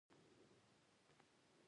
زه به هڅه وکړم چې دواړه په ګډه ولاړ شو.